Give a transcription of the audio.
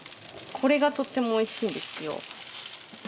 これがとってもおいしいんですよ。